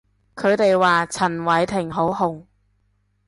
佢哋話陳偉霆好紅